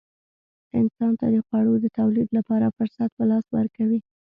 انسان ته د خوړو د تولید لپاره فرصت په لاس ورکوي.